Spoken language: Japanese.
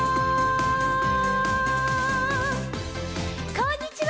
こんにちは！